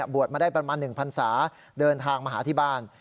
บวชมาได้ประมาณ๑พันศาเดินทางมาหาที่บ้าน